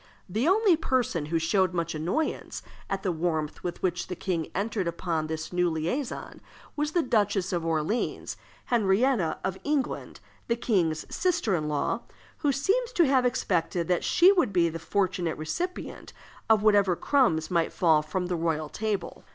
The only person who showed much annoyance at the warmth with which the king entered upon this new liaison was the Duchess of Orleans, Henrietta of England, the king's sister in law, who seems to have expected that she would be the fortunate recipient of whatever crumbs might fall from the royal table.